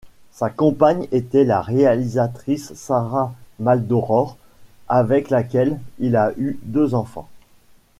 Sa compagne était la réalisatrice Sarah Maldoror avec laquelle il a eu deux enfants.